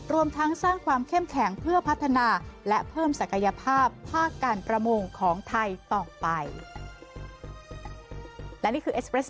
รวมทั้งสร้างความเข้มแข็งเพื่อพัฒนาและเพิ่มศักยภาพภาคการประมงของไทยต่อไป